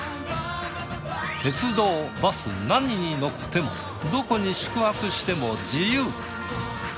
鉄道バス何に乗ってもどこに宿泊しても自由。